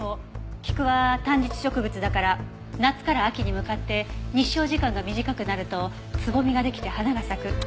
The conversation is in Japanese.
菊は短日植物だから夏から秋に向かって日照時間が短くなるとつぼみが出来て花が咲く。